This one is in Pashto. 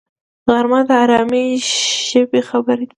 غرمه د آرامي ژبې خبرې وي